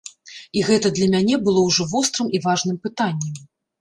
І гэта для мяне было ўжо вострым і важным пытаннем.